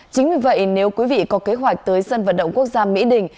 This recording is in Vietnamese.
chính vì vậy nếu quý vị có kế hoạch tới sân vận động quốc gia mỹ đình